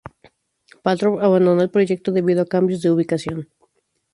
Paltrow abandonó el proyecto debido a cambios de ubicación.